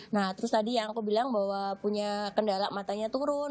nah terus tadi yang aku bilang bahwa punya kendala matanya turun